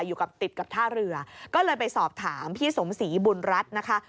อยู่กับติดกับท่าเรือก็เลยไปสอบถามพี่สมศรีบุญรัฐนะคะ